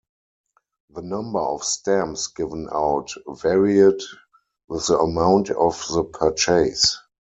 The number of stamps given out varied with the amount of the purchase.